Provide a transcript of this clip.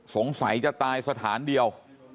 สงสัยจะตายสถานเดียว